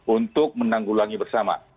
untuk menanggulangi bersama